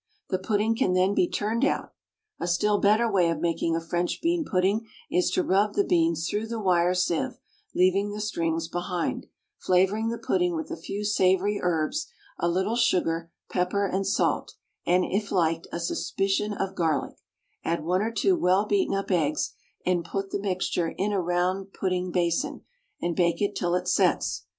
The pudding can then be turned out. A still better way of making a French bean pudding is to rub the beans through the wire sieve, leaving the strings behind, flavouring the pudding with a few savoury herbs, a little sugar, pepper, and salt, and, if liked, a suspicion of garlic; add one or two well beaten up eggs, and put the mixture in a round pudding basin, and bake it till it sets.